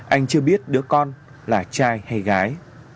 anh chưa biết đứa con là trai hay gái